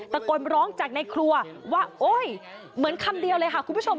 สะกดล้องจากในครัวว่าเหมือนคำเดียวเลยครับคุณผู้ชม